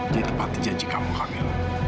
jadi tepatin janji kamu kak adil